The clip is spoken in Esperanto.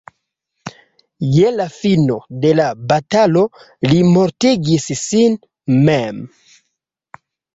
Je la fino de la batalo li mortigis sin mem.